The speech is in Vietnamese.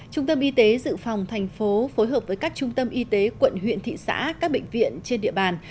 trung tâm y tế dự phòng thành phố phối hợp với các trung tâm y tế quận huyện thị xã các bệnh viện trên địa bàn